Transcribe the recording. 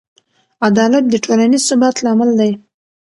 عدالت د ټولنیز ثبات لامل دی.